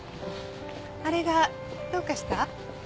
あれがどうかした？